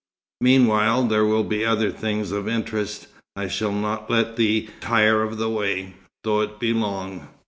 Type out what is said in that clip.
Meanwhile, there will be other things of interest. I shall not let thee tire of the way, though it be long."